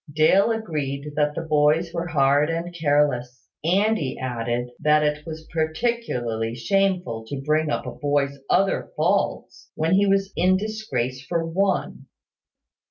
Dale agreed that the boys were hard and careless; and he added that it was particularly shameful to bring up a boy's other faults when he was in disgrace for one.